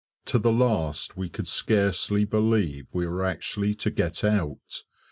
To the last we could scarcely believe we were actually to get out.